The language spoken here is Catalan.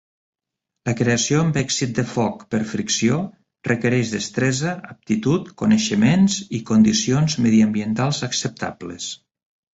La creació amb èxit de foc per fricció requereix destresa, aptitud, coneixements i condicions mediambientals acceptables.